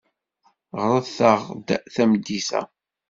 Ɣret-aɣ-d tameddit-a.